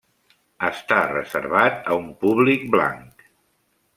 Està reservat a un públic blanc.